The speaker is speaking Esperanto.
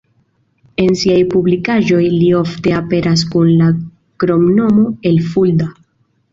En siaj publikaĵoj li ofte aperas kun la kromnomo "el Fulda".